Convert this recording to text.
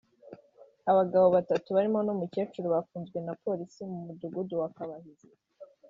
Abagabo batatu barimo n’umukecuru bafunzwe na Polisi mu mudugudu wa Kabahizi